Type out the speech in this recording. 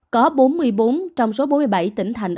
có bốn mươi bốn trong số bốn mươi bảy tỉnh thành